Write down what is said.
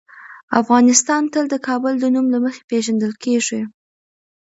افغانستان تل د کابل د نوم له مخې پېژندل کېږي.